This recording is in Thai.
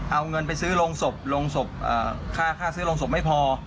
เอาเงินไปซื้อโรงสมค่าซื้อโรงสมไม่พอ